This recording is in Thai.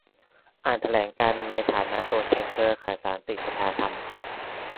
อ่านแถลงการณ์ในฐานะตัวแทนเครือข่ายสันติประชาธรรม